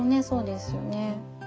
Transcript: そうですよね。